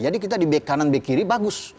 jadi kita di back kanan back kiri bagus